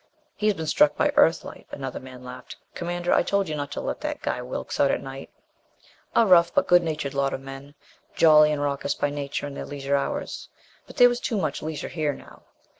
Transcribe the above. "He's been struck by Earthlight," another man laughed. "Commander, I told you not to let that guy Wilks out at night." A rough but good natured lot of men. Jolly and raucous by nature in their leisure hours. But there was too much leisure here now.